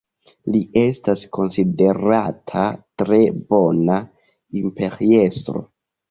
Li estas konsiderata tre bona imperiestro.